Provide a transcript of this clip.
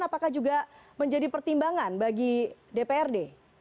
apakah juga menjadi pertimbangan bagi dprd